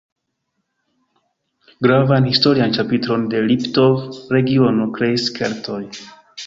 Gravan historian ĉapitron de Liptov-regiono kreis Keltoj.